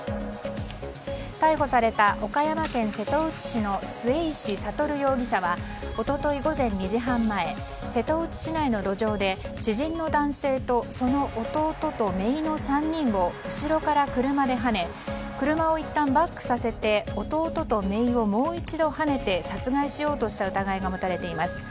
逮捕された岡山県瀬戸内市の末石悟容疑者は一昨日午前２時半前瀬戸内市内の路上で知人の男性とその弟とめいの３人を後ろから車ではね車をいったんバックさせて弟とめいをもう一度、はねて殺害しようとした疑いが持たれています。